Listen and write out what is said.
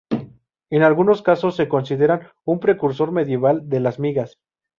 En algunos casos se considera un precursor medieval de las migas.